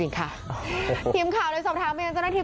ผิดชอบออกเวรที่โรงพักภาคเมืองสูราชก็ได้รับคำตอบว่า